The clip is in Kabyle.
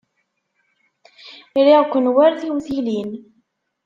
Riɣ-ken war tiwtilin.